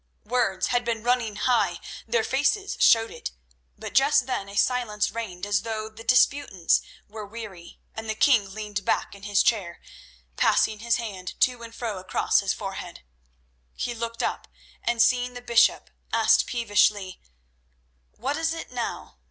Words had been running high, their faces showed it, but just then a silence reigned as though the disputants were weary, and the king leaned back in his chair, passing his hand to and fro across his forehead. He looked up, and seeing the bishop, asked peevishly: "What is it now?